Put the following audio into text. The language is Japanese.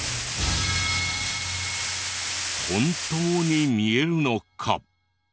本当に見えるのか？